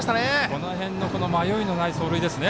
この辺の迷いのない走塁ですね。